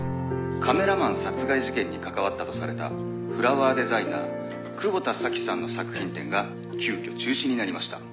「カメラマン殺害事件に関わったとされたフラワーデザイナー窪田沙希さんの作品展が急遽中止になりました」